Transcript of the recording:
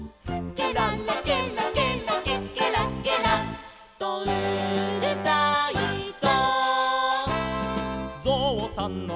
「ケララケラケラケケラケラとうるさいぞ」